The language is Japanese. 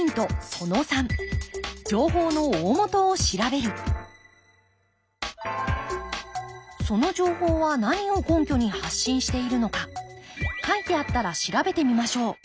その３その情報は何を根拠に発信しているのか書いてあったら調べてみましょう。